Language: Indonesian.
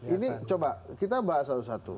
ini coba kita bahas satu satu